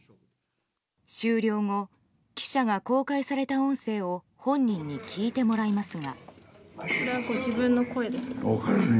終了後、記者が公開された音声を本人に聞いてもらいますが。